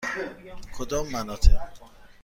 کدام مناطق؟